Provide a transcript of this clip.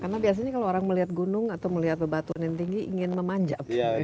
karena biasanya kalau orang melihat gunung atau melihat pebatuan yang tinggi ingin memanjap